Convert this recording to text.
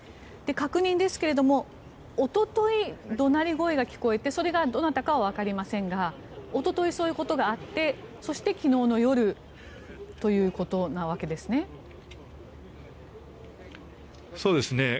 確認ですがおととい、怒鳴り声が聞こえてそれがどなたかはわかりませんがおととい、そういうことがあってそして昨日夜ということなわけですね。